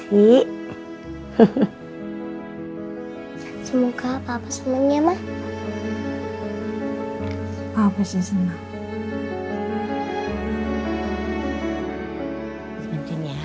semoga papa semuanya mah